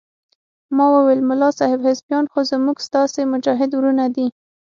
ما وويل ملا صاحب حزبيان خو زموږ ستاسې مجاهد ورونه دي.